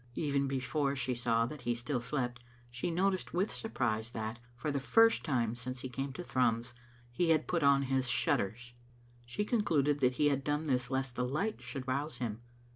Even before she saw that he still slept she noticed with surprise that, for the first time since he came to Thrums, he had put on his shut ters. She concluded that he had done this lest the light should rouse him.